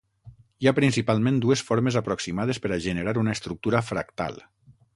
Hi ha principalment dues formes aproximades per a generar una estructura fractal.